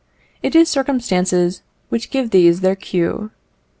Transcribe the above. It is circumstances which give these their cue.